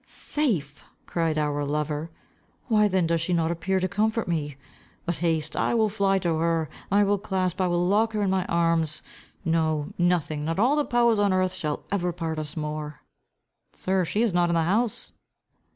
"Safe," cried our lover, "why then does she not appear to comfort me? But haste, I will fly to her. I will clasp, I will lock her, in my arms. No, nothing, not all the powers on earth, shall ever part us more." "Sir, she is not in the house."